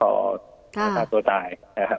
ต่างจากตัวตาย